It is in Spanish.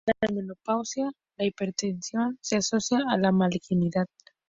La edad, la menopausia y la hipertensión se asocian a malignidad.